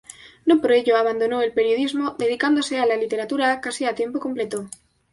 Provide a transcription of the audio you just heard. No por ello abandonó el periodismo, dedicándose a la literatura casi a tiempo completo.